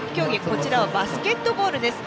こちらはバスケットボールです。